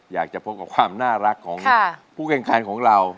อยากจะพบกับความน่ารักของผู้แข่งขันของเรา